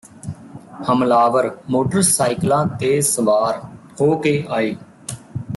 ਹਮਲਾਵਰ ਮੋਟਰਸਾਈਕਲਾਂ ਤੇ ਸਵਾਰ ਹੋ ਕੇ ਆਏ